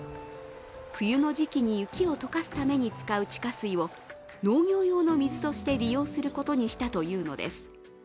冬の時期に雪を解かすために使う地下水を農業用の水として利用することにしたというのです。